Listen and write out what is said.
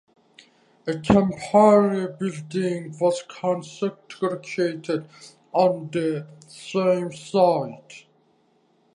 A temporary building was constructed on the same site.